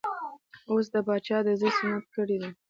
اوس د پاچا د زوی سنت ګري ده.